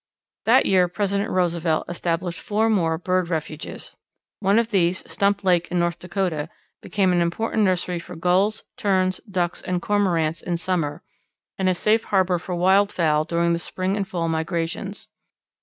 That year President Roosevelt established four more bird refuges. One of these, Stump Lake, in North Dakota, became an important nursery for Gulls, Terns, Ducks, and Cormorants in summer, and a safe harbour for wild fowl during the spring and fall migrations.